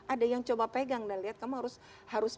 ada yang coba pegang dan lihat kamu harus